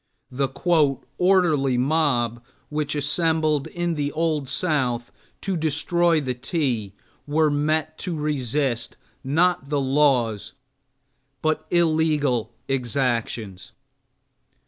the "orderly mob" which assembled in the Old South to destroy the tea were met to resist, not the laws, but illegal exactions.